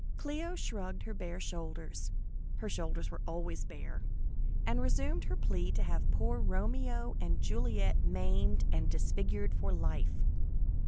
Cleo shrugged her bare shoulders her shoulders were always bare and resumed her plea to have poor Romeo and Juliet maimed and disfigured for life.